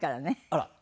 あら！